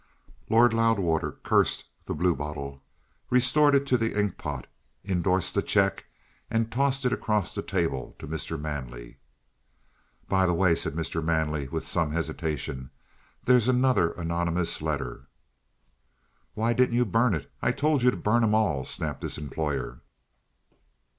Lord Loudwater cursed the bluebottle, restored it to the ink pot, endorsed the cheque, and tossed it across the table to Mr. Manley. "By the way," said Mr. Manley, with some hesitation, "there's another anonymous letter." "Why didn't you burn it? I told you to burn 'em all," snapped his employer.